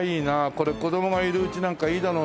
これ子どもがいる家なんかいいだろうな。